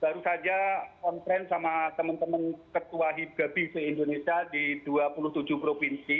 saya baru saja kontrol sama teman teman ketua hibgabi se indonesia di dua puluh tujuh provinsi